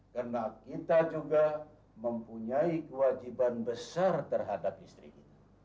karena kita juga mempunyai kewajiban besar terhadap istri kita